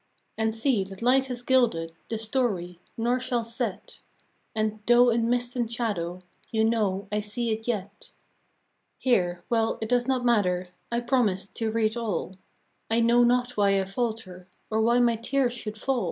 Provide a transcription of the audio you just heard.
And see, that light has gilded The story — nor shall set; And, though in mist and shadow, You know I see it yet. Here — well, it does not matter, I promised to read all; I know not why I falter, Or why my tears should fall.